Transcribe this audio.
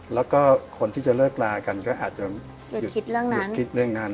แล้วก็คนที่จะเลิกลากันก็อาจจะหยุดคิดเรื่องนั้น